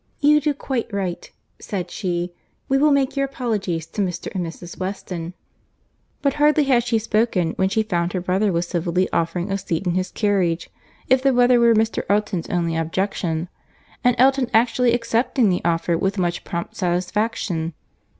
"You do quite right," said she;—"we will make your apologies to Mr. and Mrs. Weston." But hardly had she so spoken, when she found her brother was civilly offering a seat in his carriage, if the weather were Mr. Elton's only objection, and Mr. Elton actually accepting the offer with much prompt satisfaction.